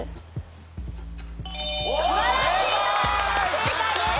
正解です